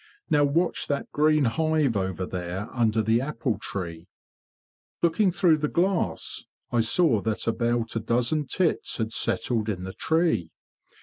Now watch that green hive over there under the apple tree."' Looking through the glass, I saw that about a dozen tits had settled in the tree.